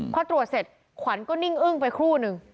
พอตรวจเสร็จขวัญก็นิ่งอึ้งไปครู่นึง